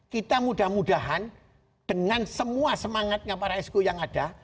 kita mudah mudahan dengan semua semangatnya para esku yang ada